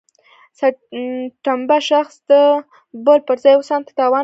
سرټنبه شخص د بل پر ځای و ځانته تاوان رسوي.